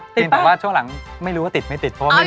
เพียงแต่ว่าช่วงหลังไม่รู้ว่าติดไม่ติดเพราะว่า